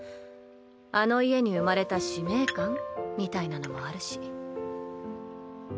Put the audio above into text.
あの家に生まれた使命感？みたいなのもあるし。